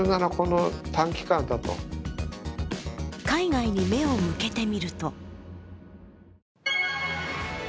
海外に目を向けてみると